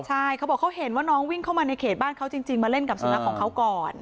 ใช่เขาบอกเขาเห็นว่าน้องวิ่งเข้ามาในเขตบ้านเขาจริงมาเล่นกับสุนัขของเขาก่อน